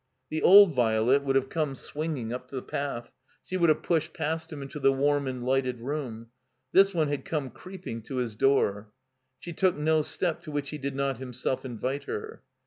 The old Violet would have come swinging up the path; she would have pushed past him into the warm and lighted room; this one had come creeping to his door. She took no step to which he did not himself invite her.